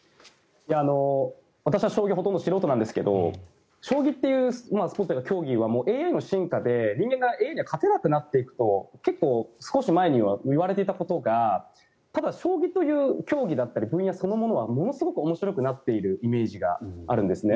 私は将棋、ほとんど素人なんですが将棋っていうスポーツというか競技はＡＩの進化で人間がＡＩに勝てなくなっていくと結構、少し前には言われていたことがただ、将棋という競技だったり分野そのものはものすごく面白くなっているイメージがあるんですね。